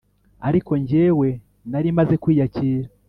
ariko njyewe nari maze kwiyakira